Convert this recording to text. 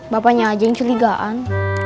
bapaknya aja yang curigaan